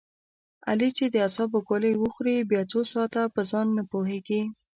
علي چې د اعصابو ګولۍ و خوري بیا څو ساعته په ځان نه پوهېږي.